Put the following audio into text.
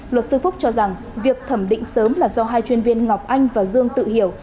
luật sư phúc cho rằng việc thẩm định sớm là do hai chuyên viên ngọc anh và dương tự hiểu